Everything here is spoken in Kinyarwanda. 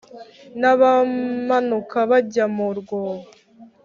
n abamanuka bajya mu rwobo